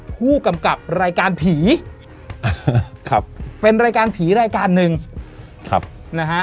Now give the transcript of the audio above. ผู้กำกับรายการผีครับเป็นรายการผีรายการหนึ่งครับนะฮะ